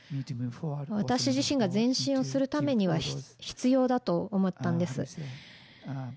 私自身が前進をするためには必要だと思ったんです。